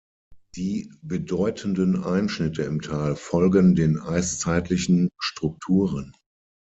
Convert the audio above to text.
Die bedeutenden Einschnitte im Tal folgen den eiszeitlichen Strukturen.